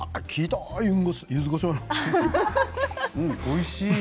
おいしい。